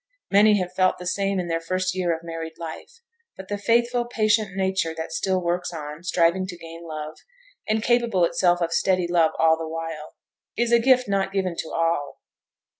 Many have felt the same in their first year of married life; but the faithful, patient nature that still works on, striving to gain love, and capable itself of steady love all the while, is a gift not given to all.